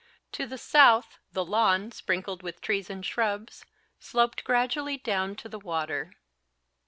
To the south the lawn, sprinkled with trees and shrubs, sloped gradually down to the water.